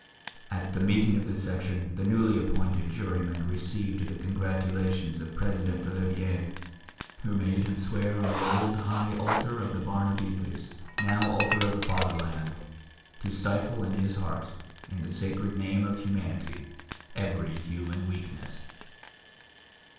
At the meeting of the Section, the newly appointed juryman received the congratulations of the President Olivier, who made him swear on the old high altar of the Barnabites, now altar of the fatherland, to stifle in his heart, in the sacred name of humanity, every human weakness.